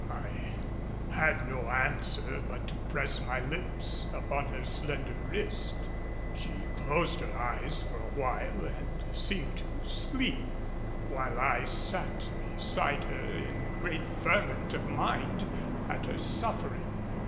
I had no answer but to press my lips upon her slender wrist. She closed her eyes for a while and seemed to sleep, while I sat beside her bed in great ferment of mind at her suffering.